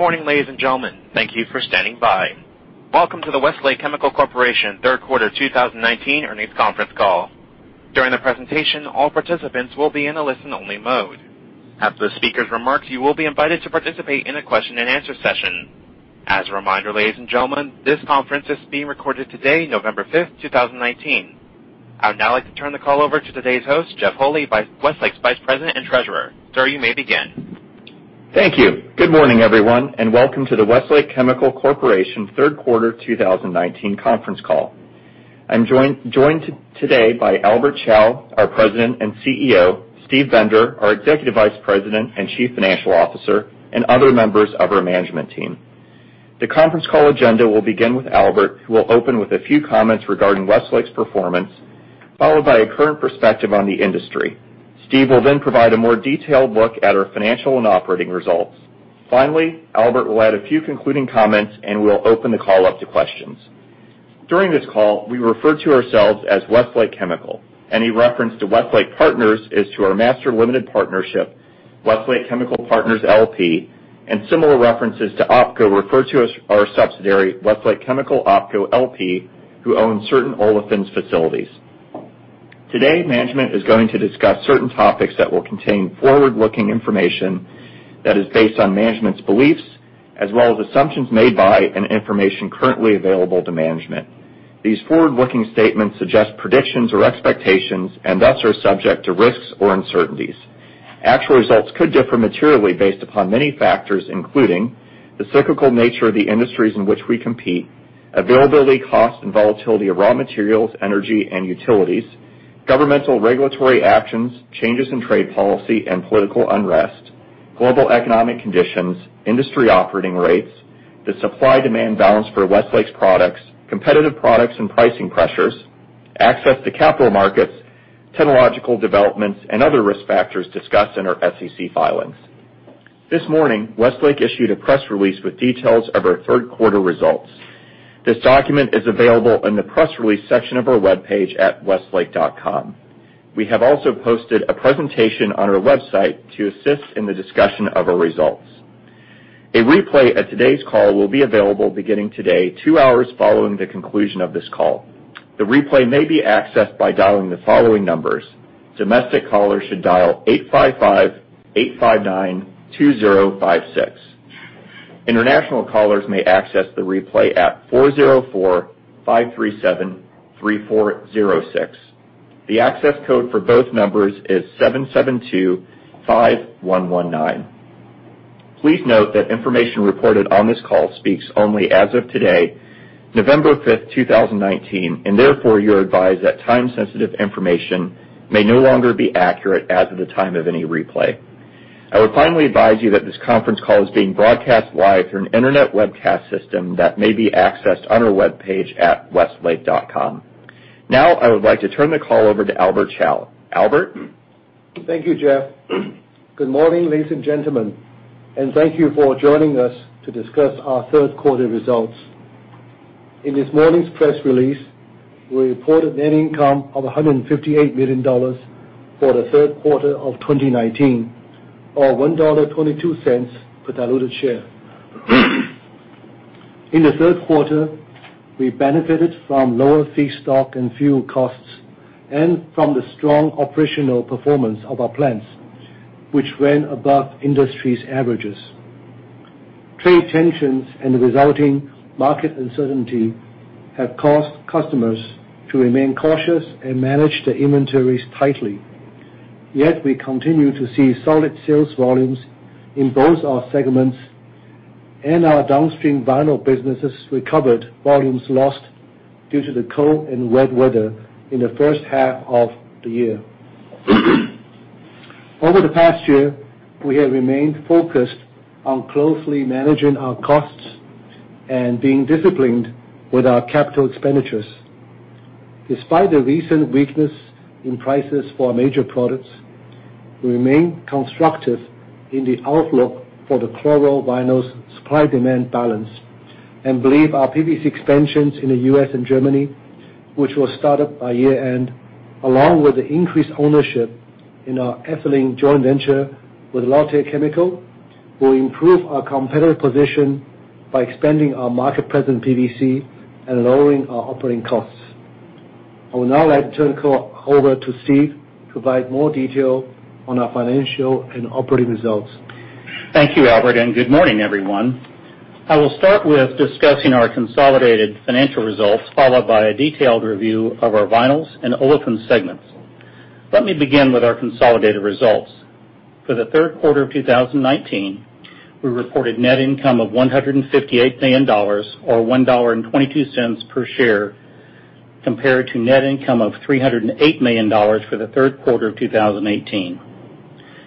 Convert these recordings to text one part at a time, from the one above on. Good morning, ladies and gentlemen. Thank you for standing by. Welcome to the Westlake Chemical Corporation third quarter 2019 earnings conference call. During the presentation, all participants will be in a listen-only mode. After the speaker's remarks, you will be invited to participate in a question and answer session. As a reminder, ladies and gentlemen, this conference is being recorded today, November 5th, 2019. I would now like to turn the call over to today's host, Jeff Holy, Westlake's Vice President and Treasurer. Sir, you may begin. Thank you. Good morning, everyone, and welcome to the Westlake Chemical Corporation third quarter 2019 conference call. I'm joined today by Albert Chao, our President and CEO, Steve Bender, our Executive Vice President and Chief Financial Officer, and other members of our management team. The conference call agenda will begin with Albert, who will open with a few comments regarding Westlake's performance, followed by a current perspective on the industry. Steve will provide a more detailed look at our financial and operating results. Finally, Albert will add a few concluding comments, and we'll open the call up to questions. During this call, we refer to ourselves as Westlake Chemical. Any reference to Westlake Partners is to our master limited partnership, Westlake Chemical Partners LP, and similar references to OpCo refer to our subsidiary, Westlake Chemical OpCo LP, who own certain olefins facilities. Today, management is going to discuss certain topics that will contain forward-looking information that is based on management's beliefs, as well as assumptions made by and information currently available to management. These forward-looking statements suggest predictions or expectations and thus are subject to risks or uncertainties. Actual results could differ materially based upon many factors, including the cyclical nature of the industries in which we compete, availability, cost, and volatility of raw materials, energy and utilities, governmental regulatory actions, changes in trade policy and political unrest, global economic conditions, industry operating rates, the supply/demand balance for Westlake's products, competitive products and pricing pressures, access to capital markets, technological developments, and other risk factors discussed in our SEC filings. This morning, Westlake issued a press release with details of our third quarter results. This document is available in the press release section of our webpage at westlake.com. We have also posted a presentation on our website to assist in the discussion of our results. A replay of today's call will be available beginning today, two hours following the conclusion of this call. The replay may be accessed by dialing the following numbers. Domestic callers should dial 855-859-2056. International callers may access the replay at 404-537-3406. The access code for both numbers is 7725119. Please note that information reported on this call speaks only as of today, November 5th, 2019. Therefore, you're advised that time-sensitive information may no longer be accurate as of the time of any replay. I would finally advise you that this conference call is being broadcast live through an internet webcast system that may be accessed on our webpage at westlake.com. I would like to turn the call over to Albert Chao. Albert? Thank you, Jeff. Good morning, ladies and gentlemen, and thank you for joining us to discuss our third quarter results. In this morning's press release, we reported net income of $158 million for the third quarter of 2019, or $1.22 per diluted share. In the third quarter, we benefited from lower feedstock and fuel costs and from the strong operational performance of our plants, which ran above industry's averages. Trade tensions and the resulting market uncertainty have caused customers to remain cautious and manage their inventories tightly. Yet we continue to see solid sales volumes in both our segments, and our downstream vinyl businesses recovered volumes lost due to the cold and wet weather in the first half of the year. Over the past year, we have remained focused on closely managing our costs and being disciplined with our capital expenditures. Despite the recent weakness in prices for our major products, we remain constructive in the outlook for the chloro vinyls supply/demand balance and believe our PVC expansions in the U.S. and Germany, which will start up by year-end, along with the increased ownership in our ethylene joint venture with Lotte Chemical, will improve our competitive position by expanding our market presence in PVC and lowering our operating costs. I will now like to turn the call over to Steve to provide more detail on our financial and operating results. Thank you, Albert. Good morning, everyone. I will start with discussing our consolidated financial results, followed by a detailed review of our vinyls and olefins segments. Let me begin with our consolidated results. For the third quarter of 2019, we reported net income of $158 million, or $1.22 per share, compared to net income of $308 million for the third quarter of 2018.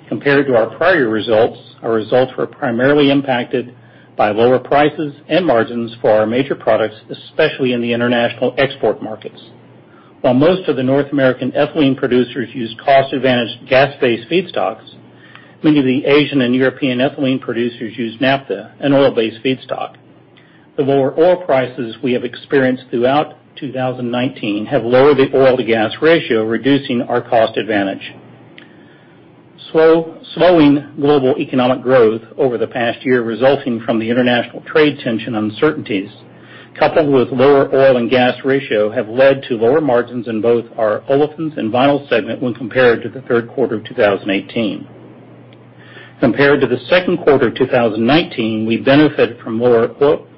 Compared to our prior results, our results were primarily impacted by lower prices and margins for our major products, especially in the international export markets. While most of the North American ethylene producers use cost-advantaged gas-based feedstocks, many of the Asian and European ethylene producers use naphtha and oil-based feedstock. The lower oil prices we have experienced throughout 2019 have lowered the oil-to-gas ratio, reducing our cost advantage. Slowing global economic growth over the past year resulting from the international trade tension uncertainties, coupled with lower oil and gas ratio, have led to lower margins in both our Olefins and Vinyls segment when compared to the third quarter of 2018. Compared to the second quarter of 2019, we benefited from lower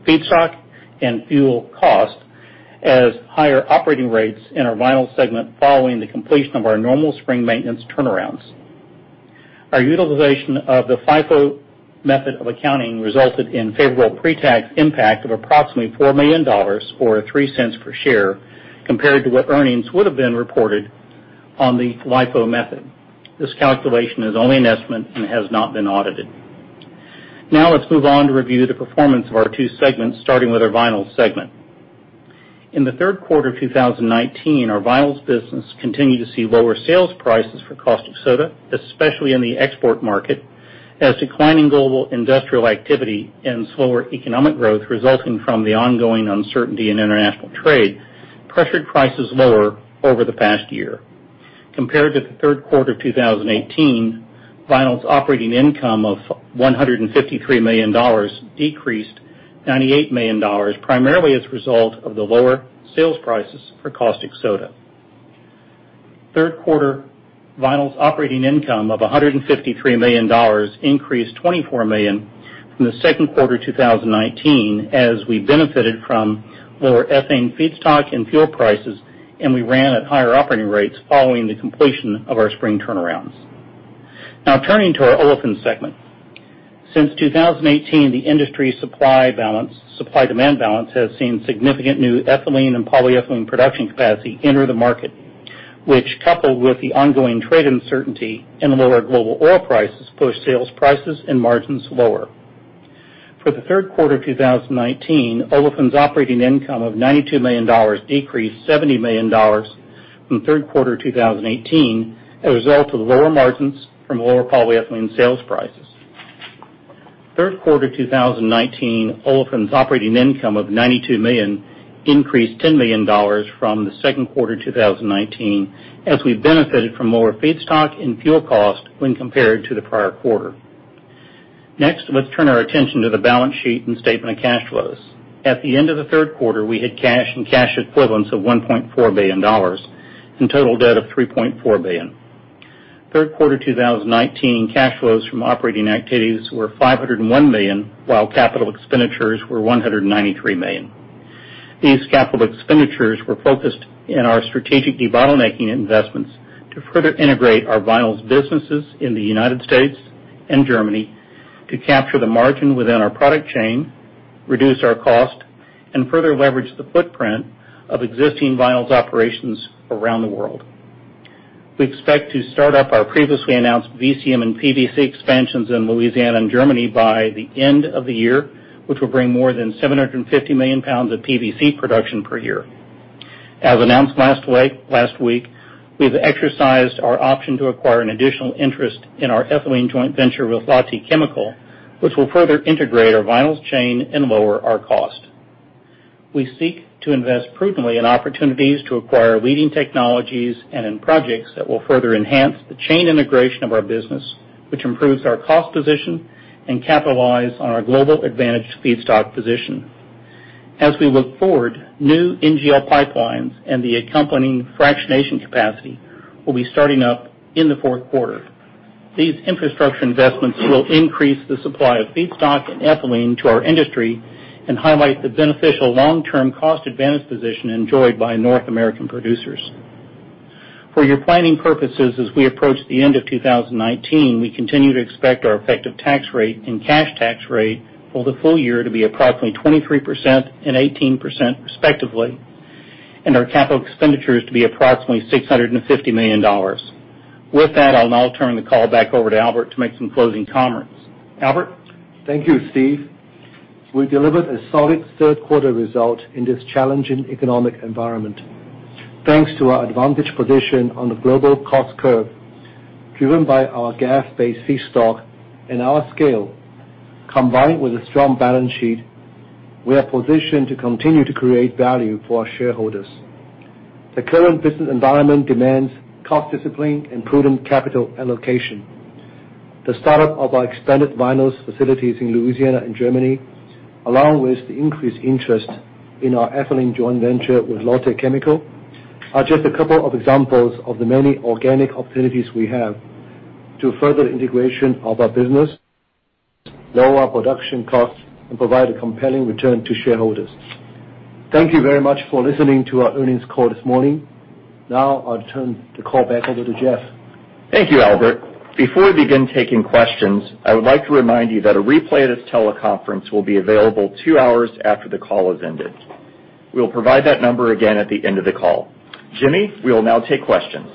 feedstock and fuel cost as higher operating rates in our Vinyls segment following the completion of our normal spring maintenance turnarounds. Our utilization of the FIFO method of accounting resulted in favorable pretax impact of approximately $4 million, or $0.03 per share, compared to what earnings would have been reported on the LIFO method. This calculation is only an estimate and has not been audited. Now let's move on to review the performance of our two segments, starting with our Vinyls segment. In the third quarter of 2019, our Vinyls business continued to see lower sales prices for caustic soda, especially in the export market, as declining global industrial activity and slower economic growth resulting from the ongoing uncertainty in international trade pressured prices lower over the past year. Compared to the third quarter of 2018, Vinyls operating income of $153 million decreased $98 million, primarily as a result of the lower sales prices for caustic soda. Third quarter Vinyls operating income of $153 million increased $24 million from the second quarter 2019, as we benefited from lower ethane feedstock and fuel prices, and we ran at higher operating rates following the completion of our spring turnarounds. Now turning to our Olefins segment. Since 2018, the industry supply-demand balance has seen significant new ethylene and polyethylene production capacity enter the market, which, coupled with the ongoing trade uncertainty and lower global oil prices, pushed sales prices and margins lower. For the third quarter of 2019, Olefins operating income of $92 million decreased $70 million from third quarter 2018 as a result of lower margins from lower polyethylene sales prices. Third quarter 2019 Olefins operating income of $92 million increased $10 million from the second quarter 2019, as we benefited from lower feedstock and fuel cost when compared to the prior quarter. Next, let's turn our attention to the balance sheet and statement of cash flows. At the end of the third quarter, we had cash and cash equivalents of $1.4 billion and total debt of $3.4 billion. Third quarter 2019 cash flows from operating activities were $501 million, while capital expenditures were $193 million. These capital expenditures were focused in our strategic de-bottlenecking investments to further integrate our Vinyls businesses in the U.S. and Germany to capture the margin within our product chain, reduce our cost, and further leverage the footprint of existing Vinyls operations around the world. We expect to start up our previously announced VCM and PVC expansions in Louisiana and Germany by the end of the year, which will bring more than 750 million pounds of PVC production per year. As announced last week, we've exercised our option to acquire an additional interest in our ethylene joint venture with Lotte Chemical, which will further integrate our Vinyls chain and lower our cost. We seek to invest prudently in opportunities to acquire leading technologies and in projects that will further enhance the chain integration of our business, which improves our cost position and capitalize on our global advantage feedstock position. As we look forward, new NGL pipelines and the accompanying fractionation capacity will be starting up in the fourth quarter. These infrastructure investments will increase the supply of feedstock and ethylene to our industry and highlight the beneficial long-term cost advantage position enjoyed by North American producers. For your planning purposes as we approach the end of 2019, we continue to expect our effective tax rate and cash tax rate for the full year to be approximately 23% and 18%, respectively, and our capital expenditures to be approximately $650 million. With that, I'll now turn the call back over to Albert to make some closing comments. Albert? Thank you, Steve. We delivered a solid third quarter result in this challenging economic environment. Thanks to our advantage position on the global cost curve, driven by our gas-based feedstock and our scale, combined with a strong balance sheet, we are positioned to continue to create value for our shareholders. The current business environment demands cost discipline and prudent capital allocation. The start-up of our expanded Vinyls facilities in Louisiana and Germany, along with the increased interest in our ethylene joint venture with Lotte Chemical, are just a couple of examples of the many organic opportunities we have to further integration of our business, lower our production costs, and provide a compelling return to shareholders. Thank you very much for listening to our earnings call this morning. Now, I'll turn the call back over to Jeff. Thank you, Albert. Before we begin taking questions, I would like to remind you that a replay of this teleconference will be available 2 hours after the call has ended. We'll provide that number again at the end of the call. Jimmy, we will now take questions.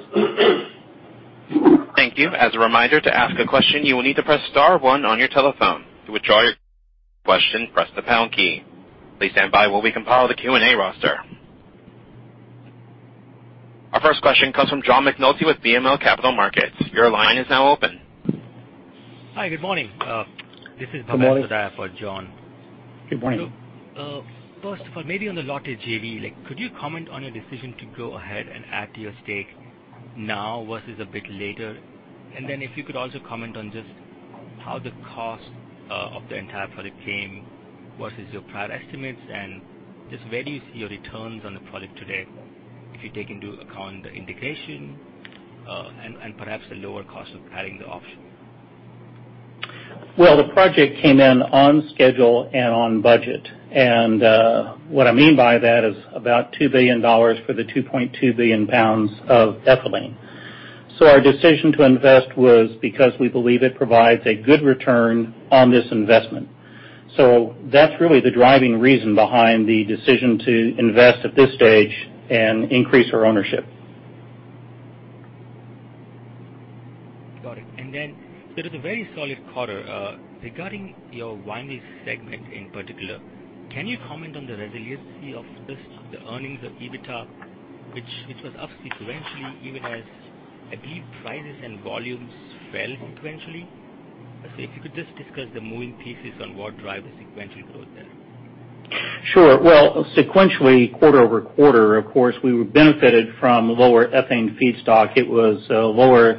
Thank you. As a reminder, to ask a question, you will need to press *1 on your telephone. To withdraw your question, press the # key. Please stand by while we compile the Q&A roster. Our first question comes from John McNulty with BMO Capital Markets. Your line is now open Hi, good morning. This is Bhavesh Sodha for John. Good morning. First of all, maybe on the Lotte JV, could you comment on your decision to go ahead and add to your stake now versus a bit later? Then if you could also comment on just how the cost of the entire project came versus your prior estimates, and just where do you see your returns on the project today, if you take into account the integration, and perhaps the lower cost of adding the option? Well, the project came in on schedule and on budget. What I mean by that is about $2 billion for the 2.2 billion pounds of ethylene. Our decision to invest was because we believe it provides a good return on this investment. That's really the driving reason behind the decision to invest at this stage and increase our ownership. Got it. It is a very solid quarter. Regarding your vinyl segment in particular, can you comment on the resiliency of just the earnings of EBITDA, which was up sequentially, even as, I believe, prices and volumes fell sequentially? If you could just discuss the moving pieces on what drive the sequential growth there. Sure. Well, sequentially, quarter-over-quarter, of course, we were benefited from lower ethane feedstock. Fuel costs were also lower,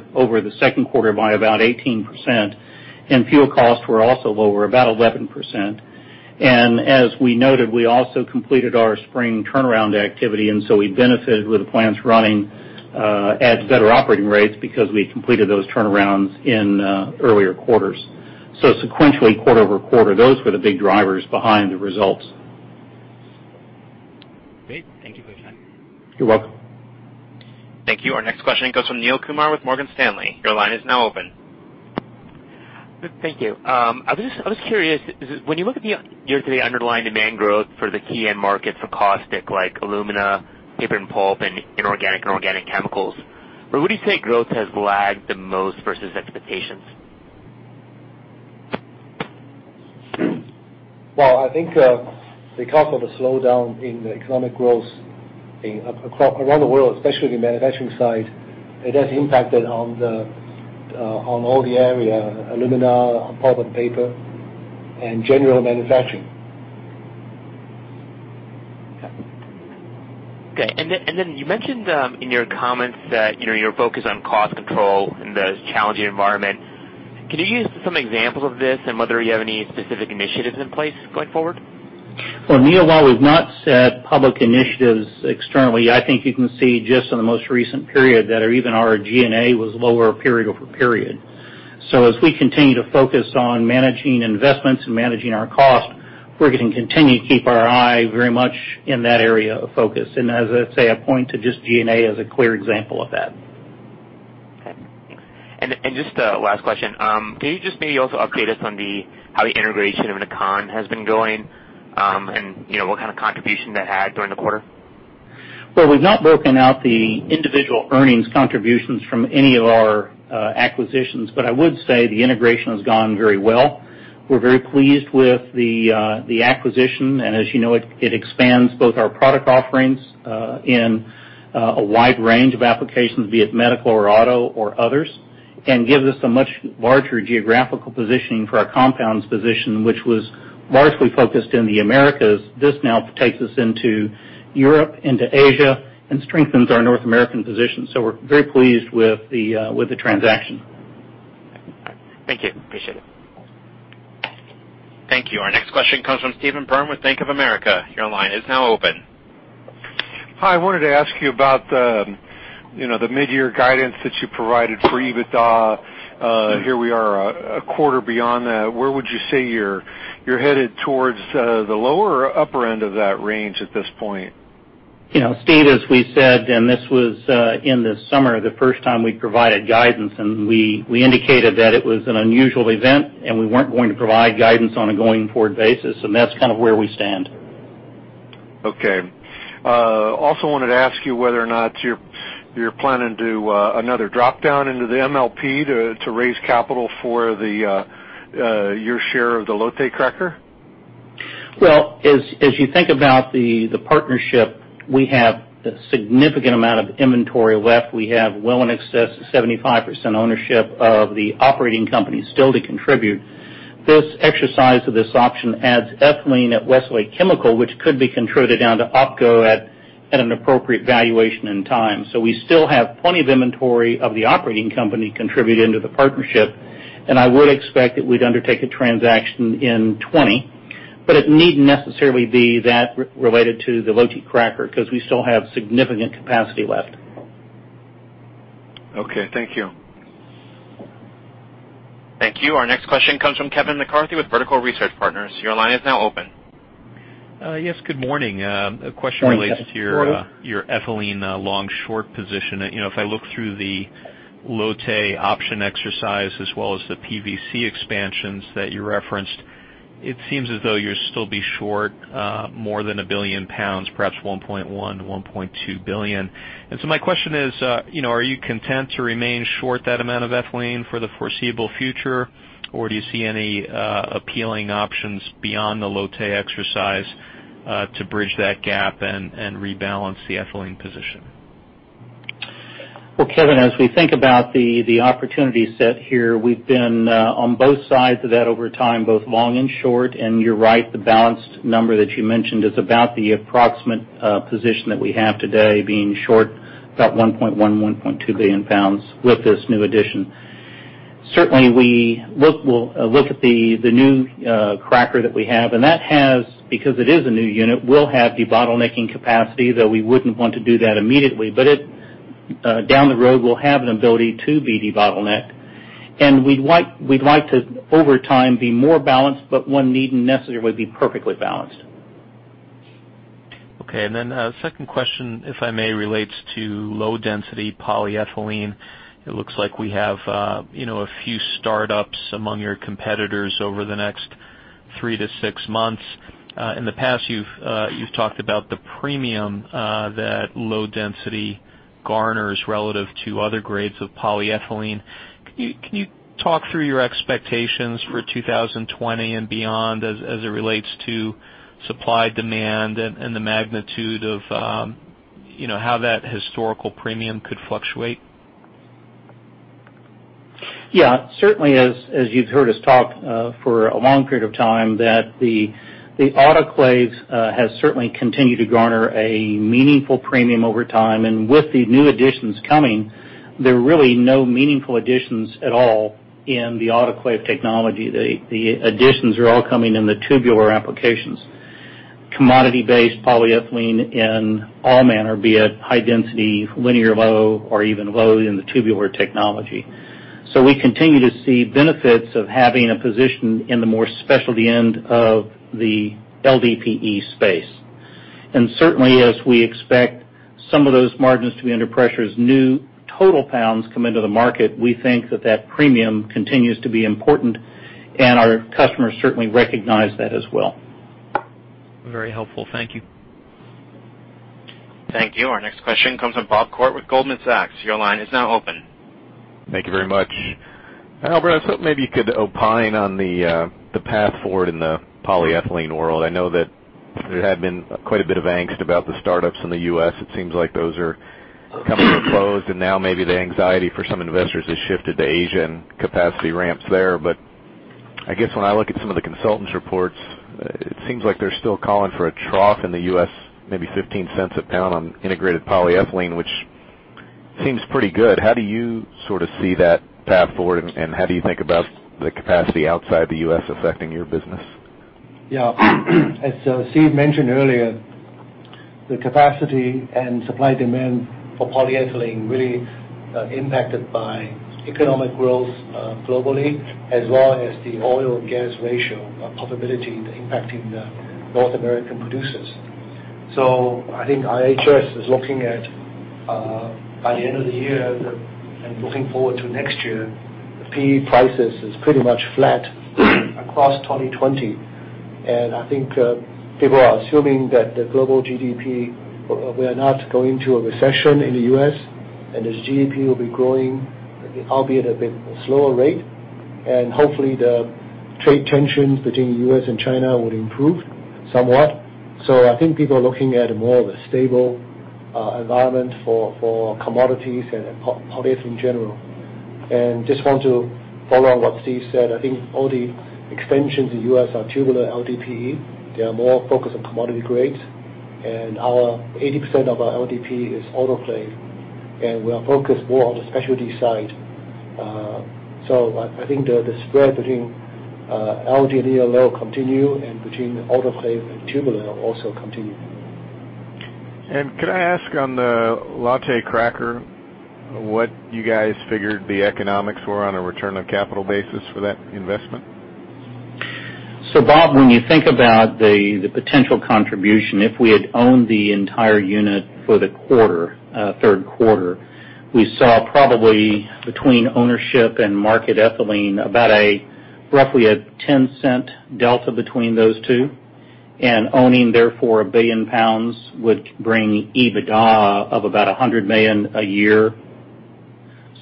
about 18%, and fuel costs were also lower, about 11%. As we noted, we also completed our spring turnaround activity. We benefited with the plants running at better operating rates because we completed those turnarounds in earlier quarters. Sequentially, quarter-over-quarter, those were the big drivers behind the results. Great. Thank you for your time. You're welcome. Thank you. Our next question goes from Neel Kumar with Morgan Stanley. Your line is now open. Thank you. I was curious, when you look at the year-to-date underlying demand growth for the key end markets for caustic like alumina, paper and pulp, and inorganic and organic chemicals, where would you say growth has lagged the most versus expectations? Well, I think because of the slowdown in the economic growth around the world, especially the manufacturing side, it has impacted on all the area, alumina, pulp and paper, and general manufacturing. Okay. You mentioned in your comments that your focus on cost control in this challenging environment. Can you give some examples of this and whether you have any specific initiatives in place going forward? Well, Neel, while we've not said public initiatives externally, I think you can see just in the most recent period that even our G&A was lower period-over-period. As we continue to focus on managing investments and managing our cost, we're going to continue to keep our eye very much in that area of focus. As I say, I point to just G&A as a clear example of that. Okay, thanks. Just a last question. Can you just maybe also update us on how the integration of Nakan has been going, and what kind of contribution that had during the quarter? Well, we've not broken out the individual earnings contributions from any of our acquisitions. I would say the integration has gone very well. We're very pleased with the acquisition. As you know, it expands both our product offerings in a wide range of applications, be it medical or auto or others, and gives us a much larger geographical positioning for our compounds position, which was largely focused in the Americas. This now takes us into Europe, into Asia, and strengthens our North American position. We're very pleased with the transaction. Thank you. Appreciate it. Thank you. Our next question comes from Steve Byrne with Bank of America. Your line is now open. Hi, I wanted to ask you about the mid-year guidance that you provided for EBITDA. Here we are a quarter beyond that. Where would you say you're headed towards the lower or upper end of that range at this point? Steve, as we said, and this was in the summer, the first time we provided guidance, and we indicated that it was an unusual event, and we weren't going to provide guidance on a going-forward basis. That's kind of where we stand. Okay. Also wanted to ask you whether or not you're planning to do another drop-down into the MLP to raise capital for your share of the Lotte cracker? Well, as you think about the partnership, we have a significant amount of inventory left. We have well in excess of 75% ownership of the operating company still to contribute. This exercise of this option adds ethylene at Westlake Chemical, which could be contributed down to OpCo at an appropriate valuation and time. We still have plenty of inventory of the operating company contributing to the partnership, and I would expect that we'd undertake a transaction in 2020. It needn't necessarily be that related to the Lotte cracker because we still have significant capacity left. Okay, thank you. Thank you. Our next question comes from Kevin McCarthy with Vertical Research Partners. Your line is now open. Yes, good morning. Morning. -your ethylene long/short position. If I look through the Lotte option exercise as well as the PVC expansions that you referenced, it seems as though you'll still be short more than 1 billion pounds, perhaps 1.1 billion, 1.2 billion. My question is, are you content to remain short that amount of ethylene for the foreseeable future, or do you see any appealing options beyond the Lotte exercise to bridge that gap and rebalance the ethylene position? Well, Kevin, as we think about the opportunity set here, we've been on both sides of that over time, both long and short. You're right, the balanced number that you mentioned is about the approximate position that we have today being short about 1.1.2 billion pounds with this new addition. Certainly, we will look at the new cracker that we have, and because it is a new unit, we'll have de-bottlenecking capacity, though we wouldn't want to do that immediately. Down the road, we'll have an ability to be de-bottleneck. We'd like to, over time, be more balanced, but one needn't necessarily be perfectly balanced. Okay, a second question, if I may, relates to low-density polyethylene. It looks like we have a few startups among your competitors over the next three to six months. In the past, you've talked about the premium that low-density garners relative to other grades of polyethylene. Can you talk through your expectations for 2020 and beyond as it relates to supply, demand, and the magnitude of how that historical premium could fluctuate? Yeah. Certainly, as you've heard us talk for a long period of time, that the autoclaves has certainly continued to garner a meaningful premium over time. With the new additions coming, there are really no meaningful additions at all in the autoclave technology. The additions are all coming in the tubular applications. Commodity based polyethylene in all manner, be it high density, linear low, or even low in the tubular technology. We continue to see benefits of having a position in the more specialty end of the LDPE space. Certainly, as we expect some of those margins to be under pressure as new total pounds come into the market, we think that premium continues to be important, and our customers certainly recognize that as well. Very helpful. Thank you. Thank you. Our next question comes from Bob Koort with Goldman Sachs. Your line is now open. Thank you very much. Albert, I was hoping maybe you could opine on the path forward in the polyethylene world. I know that there had been quite a bit of angst about the startups in the U.S. It seems like those are kind of closed, and now maybe the anxiety for some investors has shifted to Asia and capacity ramps there. I guess when I look at some of the consultants' reports, it seems like they're still calling for a trough in the U.S., maybe $0.15 a pound on integrated polyethylene, which seems pretty good. How do you sort of see that path forward, and how do you think about the capacity outside the U.S. affecting your business? Yeah. As Steve mentioned earlier, the capacity and supply demand for polyethylene really impacted by economic growth globally, as well as the oil and gas ratio possibility impacting the North American producers. I think IHS is looking at by the end of the year and looking forward to next year, PE prices is pretty much flat across 2020. I think people are assuming that the global GDP will not go into a recession in the U.S., and the GDP will be growing, albeit a bit slower rate, and hopefully the trade tensions between the U.S. and China would improve somewhat. I think people are looking at a more of a stable environment for commodities and polyeth in general. Just want to follow on what Steve said. I think all the expansions in U.S. are tubular LDPE. They are more focused on commodity grades, and 80% of our LDPE is autoclave, and we are focused more on the specialty side. I think the spread between LD and LL continue, and between the autoclave and tubular will also continue. Could I ask on the Lotte cracker what you guys figured the economics were on a return of capital basis for that investment? Bob, when you think about the potential contribution, if we had owned the entire unit for the third quarter, we saw probably between ownership and market ethylene, about roughly a $0.10 delta between those two. Owning therefore a billion pounds would bring EBITDA of about $100 million a year.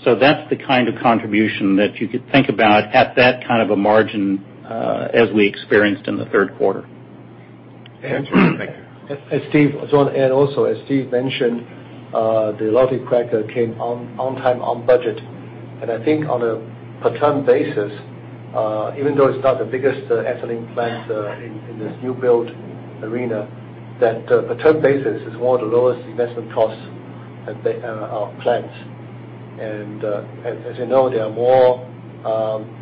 That's the kind of contribution that you could think about at that kind of a margin as we experienced in the third quarter. Thank you. Also as Steve mentioned, the Lotte cracker came on time, on budget. I think on a per ton basis, even though it's not the biggest ethylene plant in this new build arena, that per ton basis is one of the lowest investment costs of plants. As you know, there are more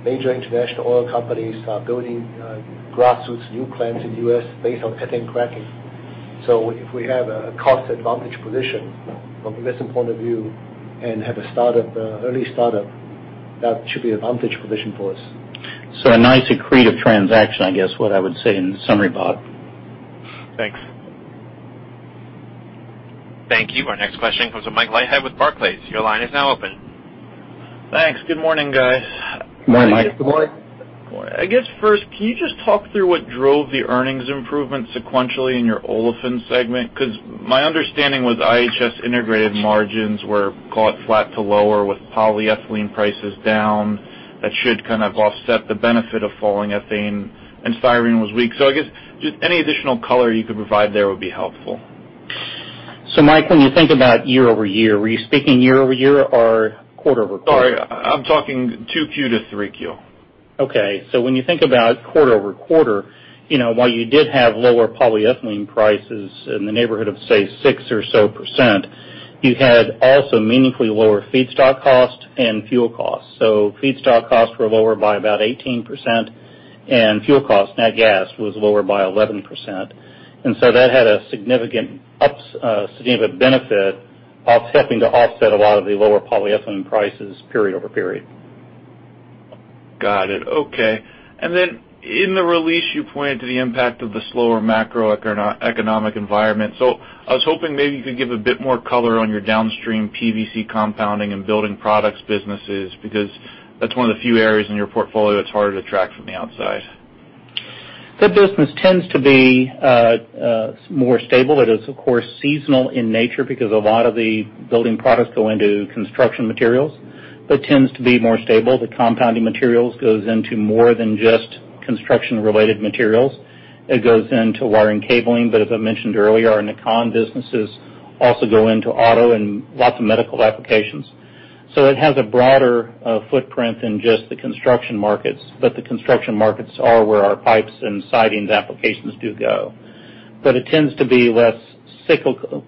major international oil companies are building grassroots new plants in U.S. based on ethane cracking. If we have a cost advantage position from investment point of view and have an early startup, that should be advantage position for us. A nice accretive transaction, I guess, what I would say in summary, Bob. Thanks. Thank you. Our next question comes from Michael Leithead with Barclays. Your line is now open. Thanks. Good morning, guys. Good morning. I guess first, can you just talk through what drove the earnings improvement sequentially in your olefins segment? My understanding was IHS integrated margins were caught flat to lower with polyethylene prices down. That should kind of offset the benefit of falling ethane, and styrene was weak. I guess just any additional color you could provide there would be helpful. Mike, when you think about year-over-year, were you speaking year-over-year or quarter-over-quarter? Sorry, I'm talking 2Q to 3Q. Okay. When you think about quarter-over-quarter, while you did have lower polyethylene prices in the neighborhood of say, 6% or so, you had also meaningfully lower feedstock costs and fuel costs. Feedstock costs were lower by about 18%, and fuel costs, nat gas, was lower by 11%. That had a significant benefit helping to offset a lot of the lower polyethylene prices period-over-period. Got it. Okay. In the release, you pointed to the impact of the slower macroeconomic environment. I was hoping maybe you could give a bit more color on your downstream PVC compounding and building products businesses, because that's one of the few areas in your portfolio that's harder to track from the outside. That business tends to be more stable. It is, of course, seasonal in nature because a lot of the building products go into construction materials, but tends to be more stable. The compounding materials goes into more than just construction related materials. It goes into wiring cabling, but as I mentioned earlier, our Nakan businesses also go into auto and lots of medical applications. It has a broader footprint than just the construction markets, but the construction markets are where our pipes and sidings applications do go. It tends to be less cyclical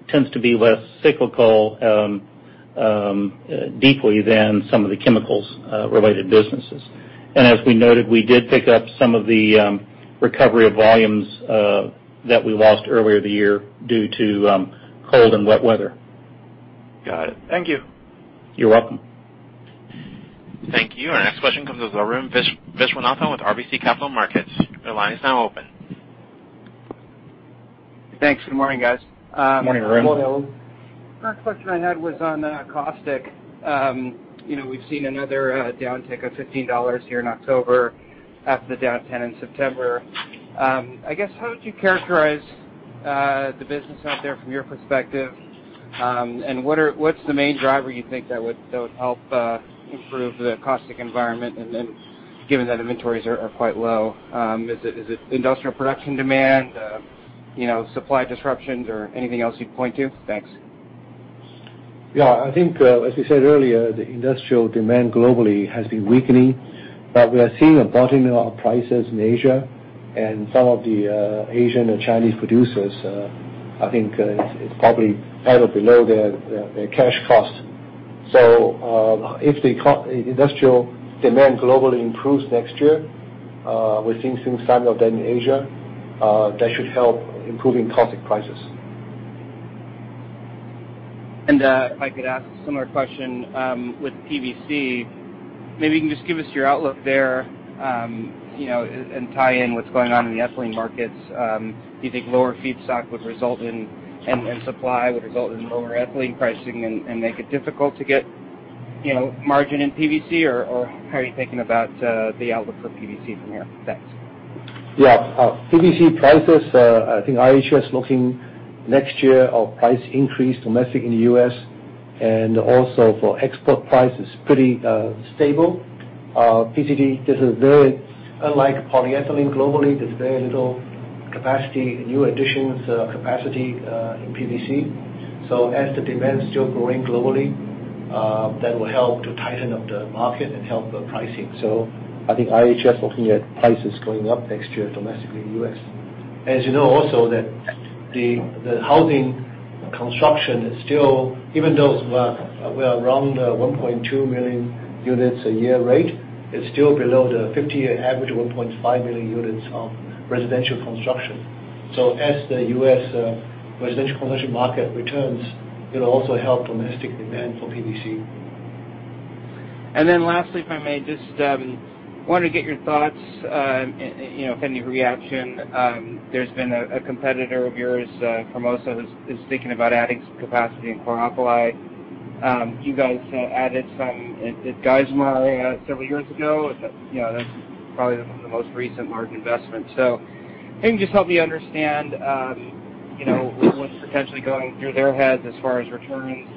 deeply than some of the chemicals related businesses. As we noted, we did pick up some of the recovery of volumes that we lost earlier the year due to cold and wet weather. Got it. Thank you. You're welcome. Thank you. Our next question comes with Arun Viswanathan with RBC Capital Markets. Your line is now open. Thanks. Good morning, guys. Morning, Arun. Morning. First question I had was on caustic. We've seen another downtick of $15 here in October after the down $10 in September. I guess, how would you characterize the business out there from your perspective? What's the main driver you think that would help improve the caustic environment and then given that inventories are quite low? Is it industrial production demand, supply disruptions, or anything else you'd point to? Thanks. Yeah. I think, as we said earlier, the industrial demand globally has been weakening, but we are seeing a bottoming of prices in Asia and some of the Asian and Chinese producers, I think it's probably either below their cash costs. If the industrial demand globally improves next year, we're seeing some sign of that in Asia. That should help improving caustic prices. If I could ask a similar question with PVC. Maybe you can just give us your outlook there, and tie in what's going on in the ethylene markets. Do you think lower feedstock and supply would result in lower ethylene pricing and make it difficult to get margin in PVC? Or how are you thinking about the outlook for PVC from here? Thanks. Yeah. PVC prices, I think IHS looking next year of price increase domestic in the U.S., and also for export prices pretty stable. PVC, unlike polyethylene globally, there's very little capacity, new additions capacity in PVC. As the demand is still growing globally, that will help to tighten up the market and help the pricing. I think IHS looking at prices going up next year domestically in the U.S. As you know also that the housing construction is still, even though we are around 1.2 million units a year rate, it's still below the 50 year average of 1.5 million units of residential construction. As the U.S. residential commercial market returns, it'll also help domestic demand for PVC. Lastly, if I may just wanted to get your thoughts, if any reaction. There's been a competitor of yours, Formosa, who's thinking about adding some capacity in chlor-alkali. You guys added some at Geismar several years ago. That's probably the most recent large investment. Can you just help me understand what's potentially going through their heads as far as returns,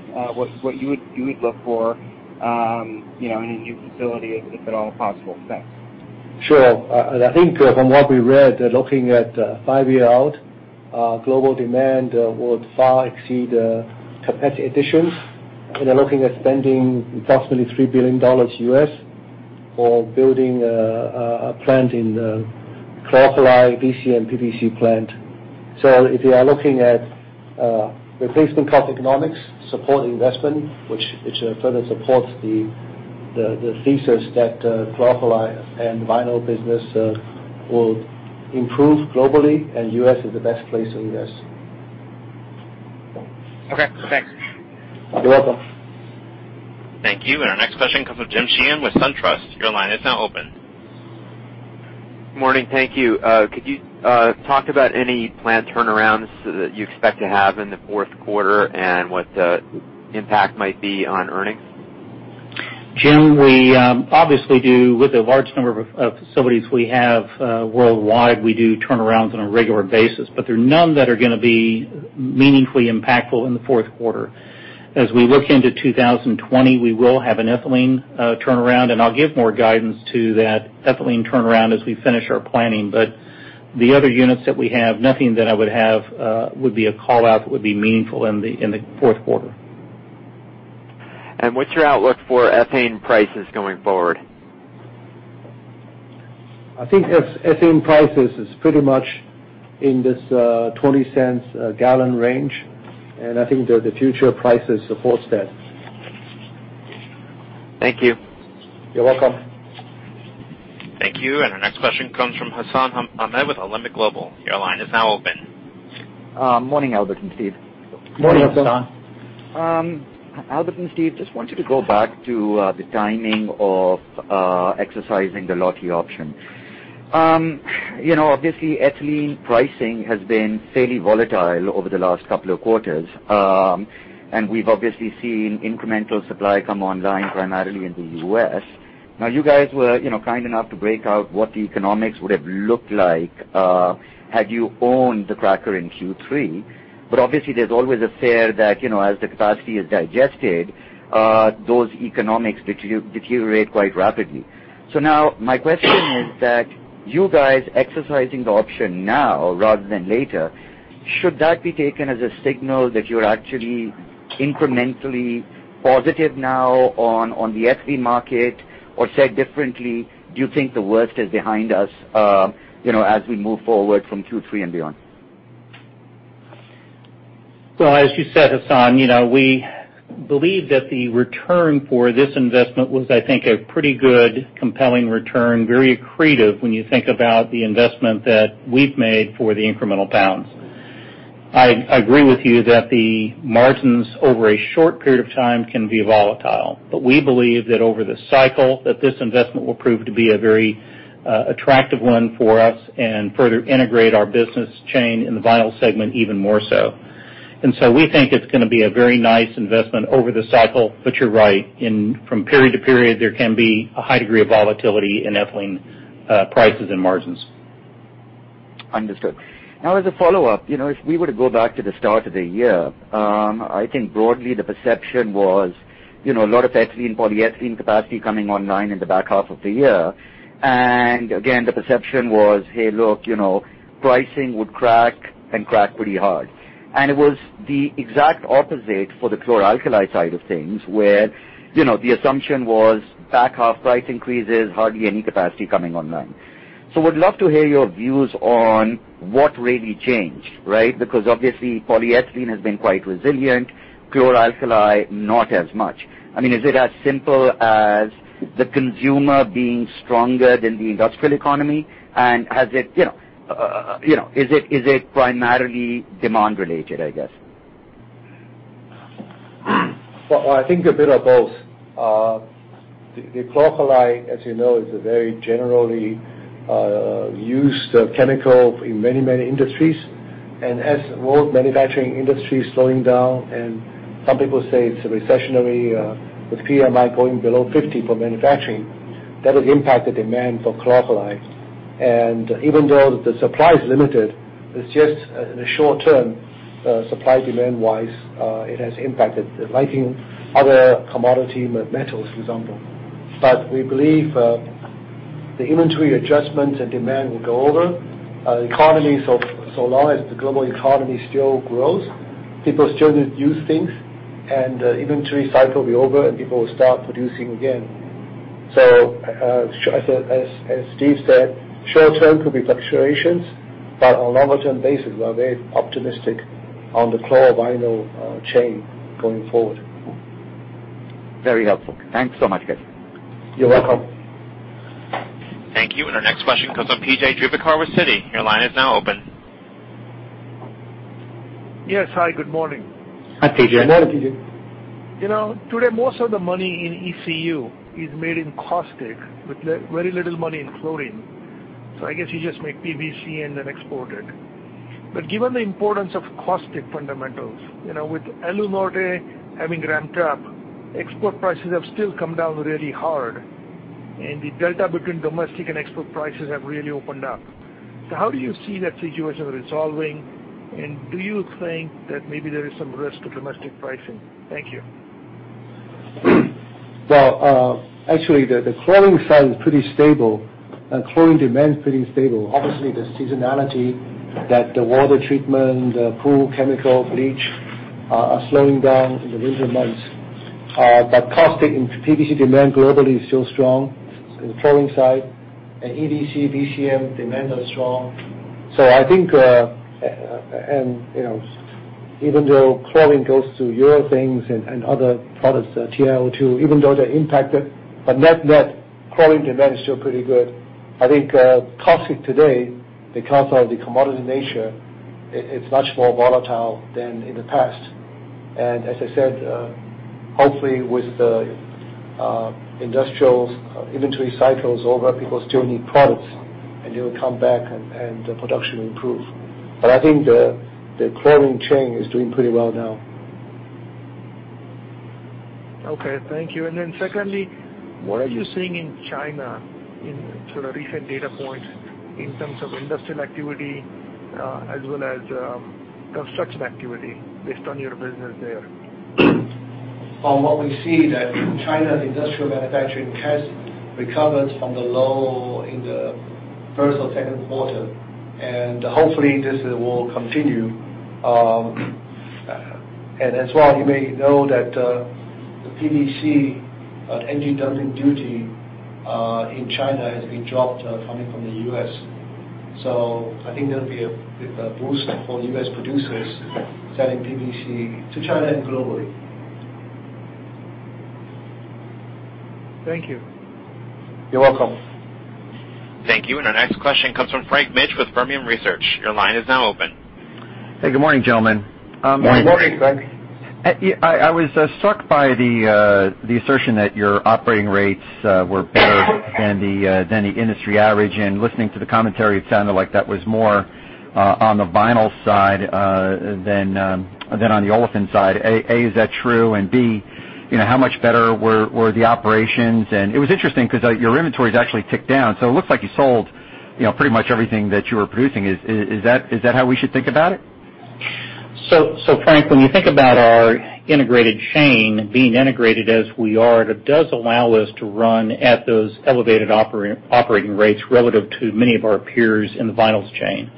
what you would look for in a new facility, if at all possible? Thanks. Sure. I think from what we read, looking at five year out, global demand will far exceed capacity additions. They're looking at spending approximately $3 billion for building a plant in chlor-alkali, VC, and PVC plant. If you are looking at replacement cost economics, support investment, which further supports the thesis that chlor-alkali and vinyl business will improve globally and U.S. is the best place to invest. Okay, thanks. You're welcome. Thank you. Our next question comes from James Sheehan with SunTrust. Your line is now open. Morning. Thank you. Could you talk about any planned turnarounds that you expect to have in the fourth quarter and what the impact might be on earnings? Jim, we obviously do, with the large number of facilities we have worldwide, we do turnarounds on a regular basis, but there are none that are going to be meaningfully impactful in the fourth quarter. As we look into 2020, we will have an ethylene turnaround, and I'll give more guidance to that ethylene turnaround as we finish our planning. The other units that we have, nothing that I would have would be a call-out that would be meaningful in the fourth quarter. What's your outlook for ethane prices going forward? I think ethane prices is pretty much in this $0.20 a gallon range. I think the future prices supports that. Thank you. You're welcome. Thank you. Our next question comes from Hassan Ahmed with Alembic Global. Your line is now open. Morning, Albert and Steve. Morning, Hassan. Morning. Albert and Steve, just wanted to go back to the timing of exercising the Lotte option. Obviously, ethylene pricing has been fairly volatile over the last couple of quarters. We've obviously seen incremental supply come online primarily in the U.S. Now, you guys were kind enough to break out what the economics would have looked like had you owned the cracker in Q3. Obviously, there's always a fear that, as the capacity is digested, those economics deteriorate quite rapidly. Now my question is that you guys exercising the option now rather than later, should that be taken as a signal that you're actually incrementally positive now on the ethylene market? Said differently, do you think the worst is behind us as we move forward from Q3 and beyond? As you said, Hassan, we believe that the return for this investment was, I think, a pretty good compelling return, very accretive when you think about the investment that we've made for the incremental pounds. I agree with you that the margins over a short period of time can be volatile, but we believe that over the cycle, that this investment will prove to be a very attractive one for us and further integrate our business chain in the vinyl segment even more so. We think it's going to be a very nice investment over the cycle. You're right, from period to period, there can be a high degree of volatility in ethylene prices and margins. Understood. As a follow-up, if we were to go back to the start of the year, I think broadly the perception was a lot of ethylene, polyethylene capacity coming online in the back half of the year. Again, the perception was, hey, look, pricing would crack, and crack pretty hard. It was the exact opposite for the chlor-alkali side of things, where the assumption was back half price increases, hardly any capacity coming online. Would love to hear your views on what really changed, right? Because obviously, polyethylene has been quite resilient, chlor-alkali not as much. Is it as simple as the consumer being stronger than the industrial economy? Is it primarily demand related, I guess? Well, I think a bit of both. The chlor-alkali, as you know, is a very generally used chemical in many industries. As world manufacturing industry is slowing down, and some people say it's a recessionary with PMI going below 50 for manufacturing, that has impacted demand for chlor-alkali. Even though the supply is limited, it's just in the short term supply demand wise, it has impacted lighting other commodity metals, for example. We believe the inventory adjustments and demand will go over. So long as the global economy still grows, people still use things, and the inventory cycle will be over, and people will start producing again. As Steve said, short term could be fluctuations, but on longer term basis, we are very optimistic on the chlorovinyl chain going forward. Very helpful. Thanks so much, guys. You're welcome. Thank you. Our next question comes from P.J. Juvekar with Citi. Your line is now open. Yes. Hi, good morning. Hi, P.J. Good morning, P.J. Today, most of the money in ECU is made in caustic, with very little money in chlorine. I guess you just make PVC and then export it. Given the importance of caustic fundamentals, with Alunorte having ramped up, export prices have still come down really hard, and the delta between domestic and export prices have really opened up. How do you see that situation resolving, and do you think that maybe there is some risk to domestic pricing? Thank you. Well, actually, the chlorine side is pretty stable, and chlorine demand is pretty stable. Obviously, there's seasonality that the water treatment, the pool chemical bleach are slowing down in the winter months. Caustic in PVC demand globally is still strong in the chlorine side, and EDC VCM demand are strong. I think even though chlorine goes to urea things and other products, TiO2, even though they're impacted, but net-net chlorine demand is still pretty good. I think caustic today, because of the commodity nature, it's much more volatile than in the past. As I said, hopefully with the industrials inventory cycles over, people still need products, and they will come back, and the production will improve. I think the chlorine chain is doing pretty well now. Okay. Thank you. Secondly- What are you- What are you seeing in China in sort of recent data points in terms of industrial activity? As well as construction activity based on your business there. From what we see that China's industrial manufacturing has recovered from the low in the first or second quarter, hopefully this will continue. As well, you may know that the PVC anti-dumping duty in China has been dropped coming from the U.S. I think that'll be a boost for U.S. producers selling PVC to China and globally. Thank you. You're welcome. Thank you. Our next question comes from Frank Mitsch with Fermium Research. Your line is now open. Hey, good morning, gentlemen. Good morning, Frank. I was struck by the assertion that your operating rates were better than the industry average. Listening to the commentary, it sounded like that was more on the vinyl side than on the olefin side. A, is that true, and B, how much better were the operations? It was interesting because your inventory is actually ticked down. It looks like you sold pretty much everything that you were producing. Is that how we should think about it? Frank, when you think about our integrated chain being integrated as we are, that does allow us to run at those elevated operating rates relative to many of our peers in the vinyls chain.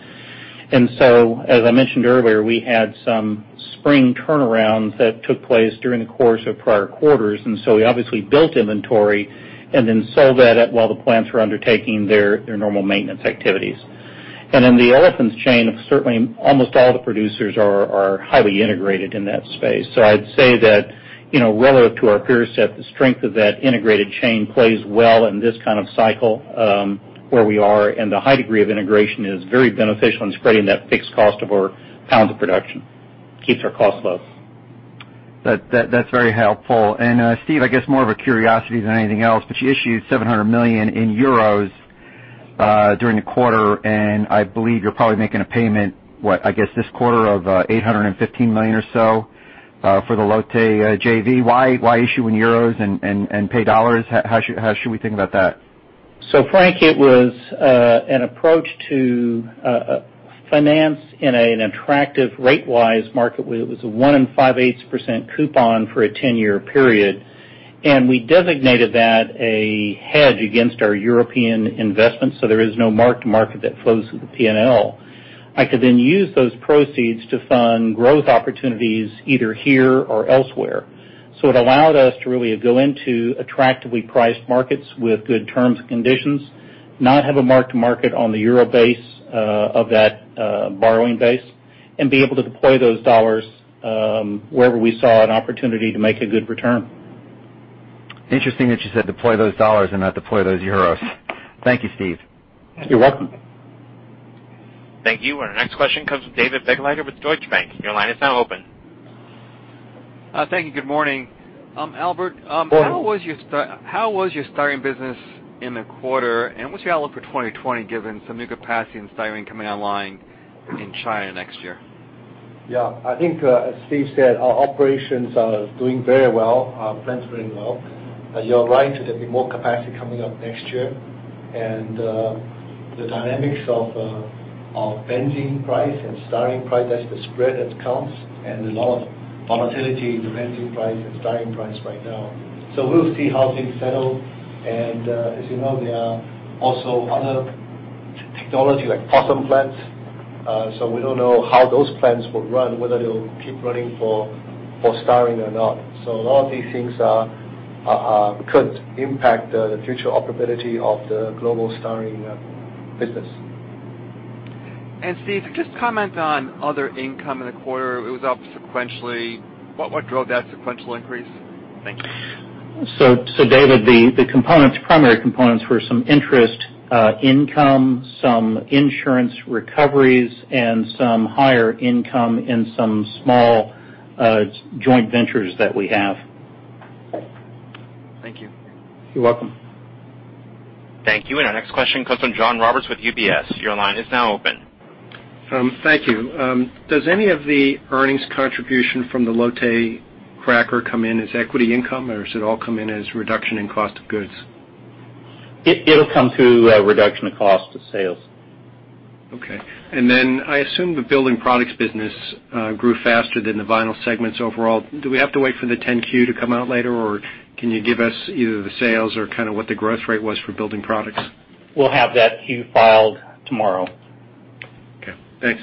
As I mentioned earlier, we had some spring turnarounds that took place during the course of prior quarters, and so we obviously built inventory and then sold that while the plants were undertaking their normal maintenance activities. In the olefins chain, certainly almost all the producers are highly integrated in that space. I'd say that relative to our peer set, the strength of that integrated chain plays well in this kind of cycle where we are, and the high degree of integration is very beneficial in spreading that fixed cost of our pounds of production. Keeps our costs low. That's very helpful. Steve, I guess more of a curiosity than anything else, you issued 700 million in euros during the quarter, and I believe you're probably making a payment this quarter of $815 million or so for the Lotte JV. Why issue in euros and pay dollars? How should we think about that? Frank, it was an approach to finance in an attractive rate wise market where it was a one in five-eighth percent coupon for a 10 year period. We designated that a hedge against our European investments. There is no mark to market that flows through the P&L. I could use those proceeds to fund growth opportunities either here or elsewhere. It allowed us to really go into attractively priced markets with good terms and conditions, not have a mark to market on the Euro base of that borrowing base, and be able to deploy those dollars wherever we saw an opportunity to make a good return. Interesting that you said deploy those dollars and not deploy those euros. Thank you, Steve. You're welcome. Thank you. Our next question comes from David Begleiter with Deutsche Bank. Your line is now open. Thank you. Good morning. Albert. Morning. How was your styrene business in the quarter, and what's your outlook for 2020 given some new capacity in styrene coming online in China next year? Yeah. I think as Steve said, our operations are doing very well, our plant's doing well. You're right, there'll be more capacity coming up next year, and the dynamics of benzene price and styrene price, that's the spread that counts, and there's a lot of volatility in the benzene price and styrene price right now. We'll see how things settle. As you know, there are also other technology like PO/SM plants. We don't know how those plants will run, whether they will keep running for styrene or not. A lot of these things could impact the future operability of the global styrene business. Steve, could you just comment on other income in the quarter? It was up sequentially. What drove that sequential increase? Thank you. David, the primary components were some interest income, some insurance recoveries, and some higher income in some small joint ventures that we have. Thank you. You're welcome. Thank you. Our next question comes from John Roberts with UBS. Your line is now open. Thank you. Does any of the earnings contribution from the Lotte cracker come in as equity income, or does it all come in as reduction in cost of goods? It'll come through reduction of cost of sales. Okay. I assume the building products business grew faster than the vinyl segments overall. Do we have to wait for the 10-Q to come out later, or can you give us either the sales or kind of what the growth rate was for building products? We'll have that Q filed tomorrow. Okay, thanks.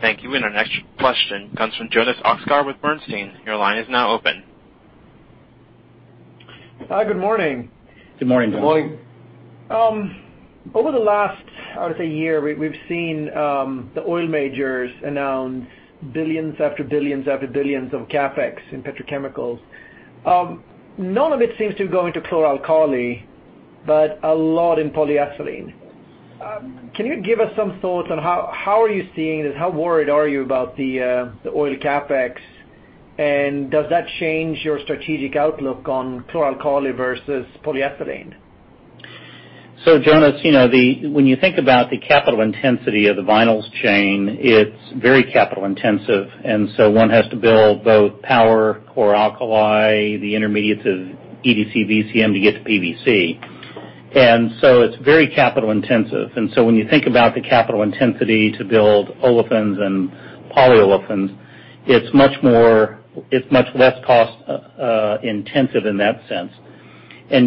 Thank you. Our next question comes from Jonas Oxgaard with Bernstein. Your line is now open. Hi, good morning. Good morning. Good morning. Over the last, I would say year, we've seen the oil majors announce billions after billions after billions of CapEx in petrochemicals. None of it seems to go into chlor-alkali, but a lot in polyethylene. Can you give us some thoughts on how are you seeing this? How worried are you about the oil CapEx? Does that change your strategic outlook on chlor-alkali versus polyethylene? Jonas, when you think about the capital intensity of the vinyls chain, it's very capital intensive. One has to build both power chlor-alkali, the intermediates of EDC VCM to get to PVC. It's very capital intensive. When you think about the capital intensity to build olefins and polyolefins, it's much less cost intensive in that sense.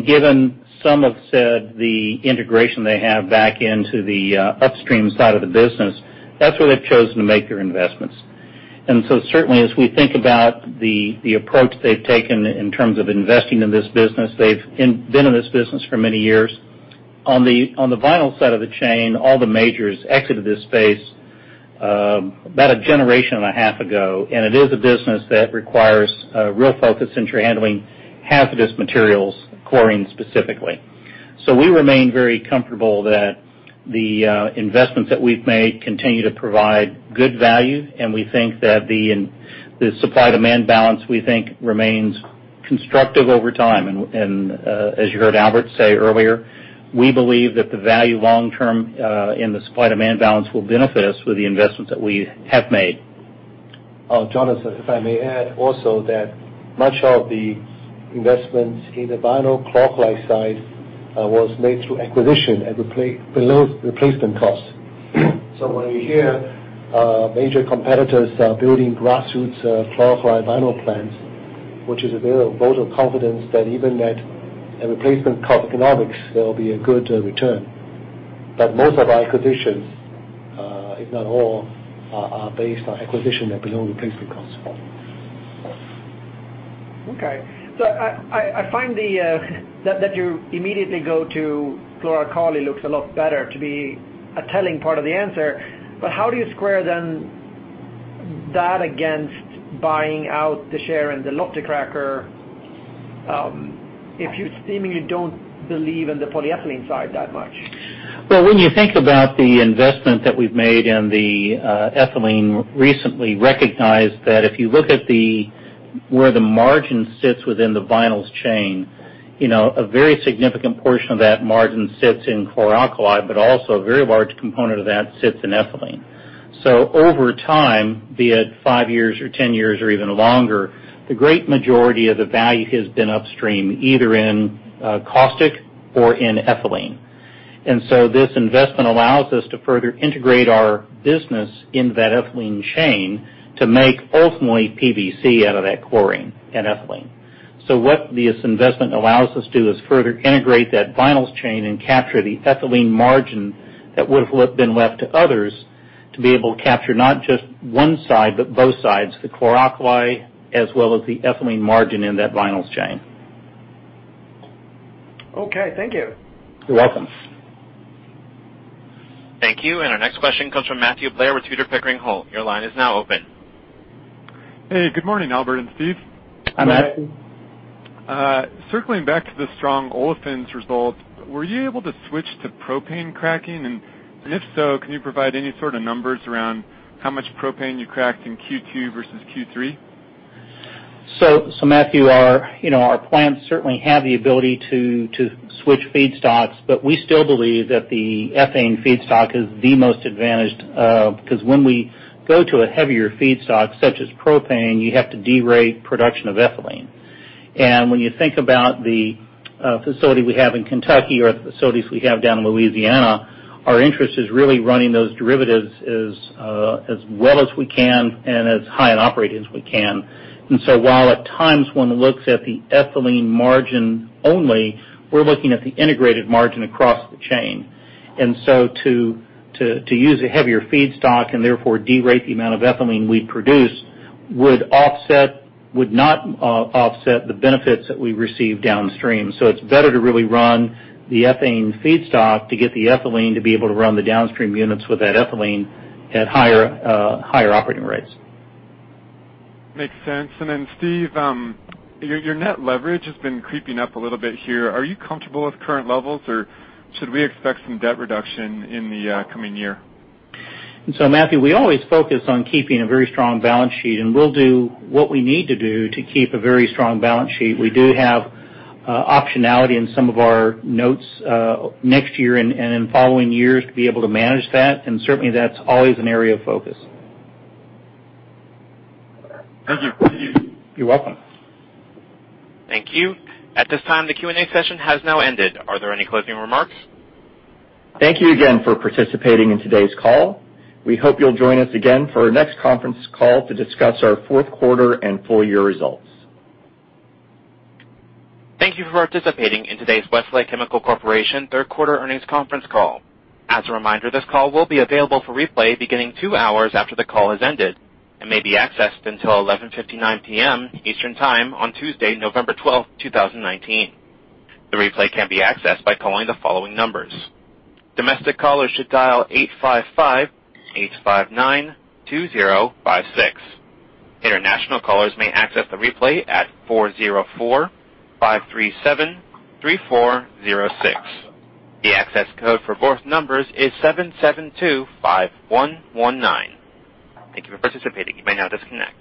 Given some of the integration they have back into the upstream side of the business, that's where they've chosen to make their investments. Certainly as we think about the approach they've taken in terms of investing in this business, they've been in this business for many years. On the vinyl side of the chain, all the majors exited this space about a generation and a half ago, and it is a business that requires a real focus since you're handling hazardous materials, chlorine specifically. We remain very comfortable that the investments that we've made continue to provide good value, and we think that the supply-demand balance, we think remains constructive over time. As you heard Albert say earlier, we believe that the value long term in the supply-demand balance will benefit us with the investments that we have made. Jonas, if I may add also that much of the investments in the vinyl chlor-alkali side was made through acquisition at below replacement costs. When you hear major competitors are building grassroots chlor-alkali vinyl plants, which is a vote of confidence that even at a replacement cost economics, there will be a good return. Most of our acquisitions, if not all, are based on acquisition at below replacement costs. I find that you immediately go to chlor-alkali looks a lot better to be a telling part of the answer. How do you square then that against buying out the share in the Olefin cracker if you seemingly don't believe in the polyethylene side that much? Well, when you think about the investment that we've made in the ethylene recently recognized that if you look at where the margin sits within the vinyls chain, a very significant portion of that margin sits in chlor-alkali, also a very large component of that sits in ethylene. Over time, be it five years or 10 years or even longer, the great majority of the value has been upstream, either in caustic or in ethylene. This investment allows us to further integrate our business in that ethylene chain to make ultimately PVC out of that chlorine and ethylene. What this investment allows us to do is further integrate that vinyls chain and capture the ethylene margin that would've been left to others to be able to capture not just one side, but both sides, the chlor-alkali as well as the ethylene margin in that vinyls chain. Okay, thank you. You're welcome. Thank you. Our next question comes from Matthew Blair with Tudor, Pickering, Holt & Co. Your line is now open. Hey, good morning, Albert and Steve. Hi, Matthew. Circling back to the strong olefins result, were you able to switch to propane cracking? If so, can you provide any sort of numbers around how much propane you cracked in Q2 versus Q3? Matthew, our plants certainly have the ability to switch feedstocks, but we still believe that the ethane feedstock is the most advantaged because when we go to a heavier feedstock such as propane, you have to de-rate production of ethylene. When you think about the facility we have in Kentucky or the facilities we have down in Louisiana, our interest is really running those derivatives as well as we can and as high an operating as we can. While at times one looks at the ethylene margin only, we're looking at the integrated margin across the chain. To use a heavier feedstock and therefore de-rate the amount of ethylene we produce would not offset the benefits that we receive downstream. It's better to really run the ethane feedstock to get the ethylene to be able to run the downstream units with that ethylene at higher operating rates. Makes sense. Steve, your net leverage has been creeping up a little bit here. Are you comfortable with current levels, or should we expect some debt reduction in the coming year? Matthew, we always focus on keeping a very strong balance sheet, and we'll do what we need to do to keep a very strong balance sheet. We do have optionality in some of our notes next year and in following years to be able to manage that, and certainly that's always an area of focus. Thank you. You're welcome. Thank you. At this time, the Q&A session has now ended. Are there any closing remarks? Thank you again for participating in today's call. We hope you'll join us again for our next conference call to discuss our fourth quarter and full year results. Thank you for participating in today's Westlake Chemical Corporation third quarter earnings conference call. As a reminder, this call will be available for replay beginning two hours after the call has ended and may be accessed until 11:59 P.M. Eastern Time on Tuesday, November 12th, 2019. The replay can be accessed by calling the following numbers. Domestic callers should dial 855-859-2056. International callers may access the replay at 404-537-3406. The access code for both numbers is 7725119. Thank you for participating. You may now disconnect.